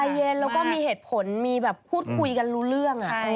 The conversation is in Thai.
เย็นแล้วก็มีเหตุผลมีแบบพูดคุยกันรู้เรื่อง